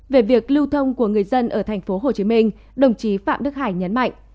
về việc lưu thông của người dân ở thành phố hồ chí minh đồng chí phạm đức hải nhấn mạnh